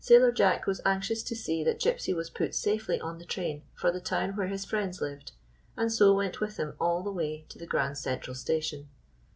Sailor Jack was anxious to see that Gypsy was put safely on the train for the town where his friends lived, and so went with him all the way to the Grand Central station.